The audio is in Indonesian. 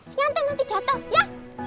singanteng nanti jatoh ya